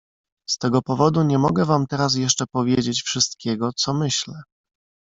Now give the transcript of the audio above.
"Z tego powodu nie mogę wam teraz jeszcze powiedzieć wszystkiego, co myślę."